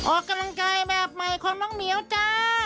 ออกกำลังกายแบบใหม่ของน้องเหมียวจ้า